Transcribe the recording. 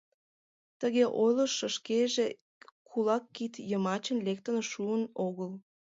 Тыге ойлышо шкеже кулак кид йымачын лектын шуын огыл.